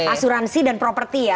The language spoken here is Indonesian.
asuransi dan property ya